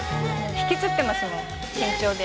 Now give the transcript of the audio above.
ひきつってましたもん緊張で。